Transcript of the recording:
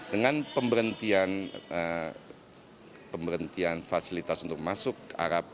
dengan pemberhentian fasilitas untuk masuk arab